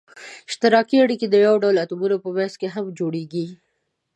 اشتراکي اړیکه د یو ډول اتومونو په منځ کې هم جوړیږي.